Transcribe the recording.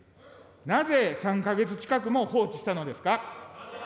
なぜ、３か月近くも放置したのですか。